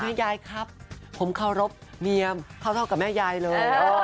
แม่ยายครับผมเข้ารถเมียมเข้าเท่ากับแม่ยายเลย